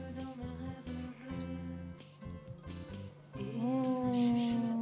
うん。